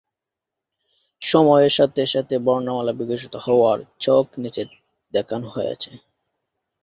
সময়ের সাথে সাথে বর্ণমালা বিকশিত হওয়ার ছক নিচে দেখানো হয়েছে।